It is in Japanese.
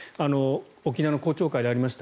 沖縄の公聴会でありました。